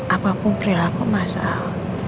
apapun perilaku masalah